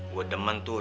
gua demen tuh